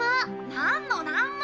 なんのなんの！